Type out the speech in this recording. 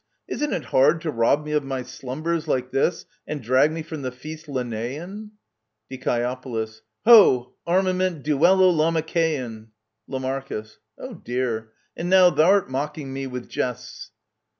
Isn't it hard to rob me of my slumbers Like this, and drag me from the feast Lenaean ? Die. Ho ! Armament Duello Lamachaean ! Lam. Oh dear ! and now thou'rt mocking me with jests